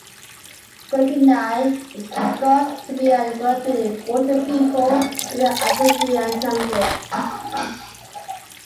"Kootenai" is thought to be a word meaning "water people" in an Algonquian language.